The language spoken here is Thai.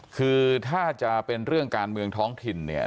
คือถ้าจะเป็นเรื่องการเมืองท้องถิ่นเนี่ย